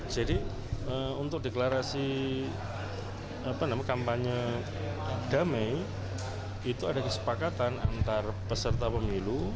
jadi untuk deklarasi kampanye damai itu ada kesepakatan antar peserta pemilu